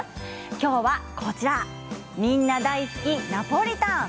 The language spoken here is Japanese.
今日はみんな大好きナポリタン。